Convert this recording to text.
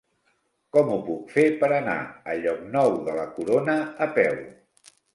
Com ho puc fer per anar a Llocnou de la Corona a peu?